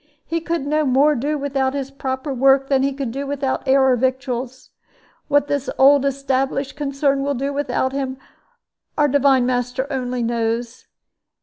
He could no more do without his proper work than he could without air or victuals. What this old established concern will do without him, our Divine Master only knows.